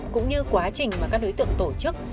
cũng như quá trình mà các đối tượng tổ chức